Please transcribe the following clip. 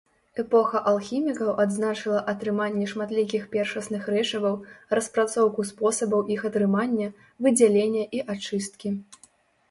Эпоха алхімікаў адзначыла атрыманне шматлікіх першасных рэчываў, распрацоўку спосабаў іх атрымання, выдзялення і ачысткі.